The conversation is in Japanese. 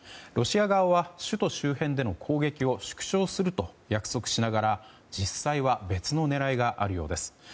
ロシア側は首都周辺での攻撃を縮小すると約束しながら実際は別の狙いがあるようです。